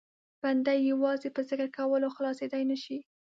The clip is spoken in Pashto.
بنده یې یوازې په ذکر کولو خلاصېدای نه شي.